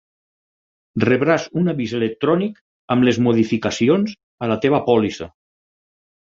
Rebràs un avís electrònic amb les modificacions a la teva pòlissa.